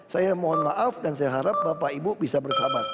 saya mohon maaf dan saya harap bapak ibu bisa bersahabat